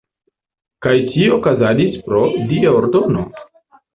Kaj tio okazadis pro “dia ordono”.